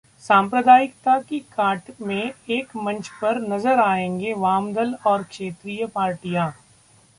'सांप्रदायिकता' की काट में एक मंच पर नजर आएंगे वामदल और क्षेत्रीय पार्टियां